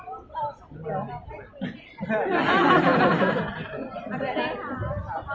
เวลาแรกพี่เห็นแวว